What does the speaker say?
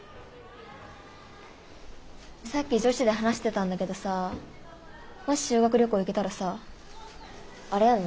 さっき女子で話してたんだけどさもし修学旅行行けたらさあれやるの？